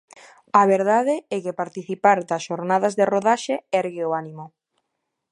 A verdade é que participar das xornadas de rodaxe ergue o ánimo.